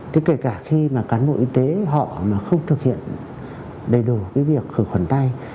thế kể cả khi mà cán bộ y tế họ mà không thực hiện đầy đủ cái việc khử khuẩn tay